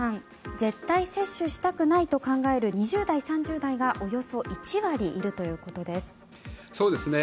絶対に接種したくないと考える２０代、３０代がおよそ１割いるということです。